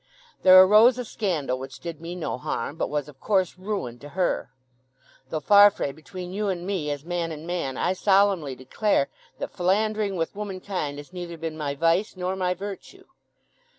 There arose a scandal, which did me no harm, but was of course ruin to her. Though, Farfrae, between you and me, as man and man, I solemnly declare that philandering with womankind has neither been my vice nor my virtue.